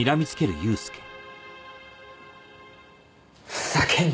ふざけんな！